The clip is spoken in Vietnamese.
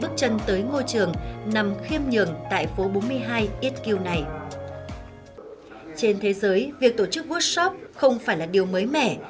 trên thế giới việc tổ chức workshop không phải là điều mới mẻ